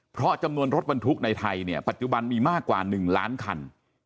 เพราะจำนวนรถบรรทุกในไทยเนี่ยปัจจุบันมีมากกว่า๑ล้านคัน